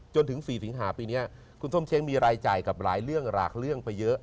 จนถึง๔สิงหาปีนี้คุณส้มเช้งมีรายจ่ายกับหลายเรื่องหลากเรื่องไปเยอะ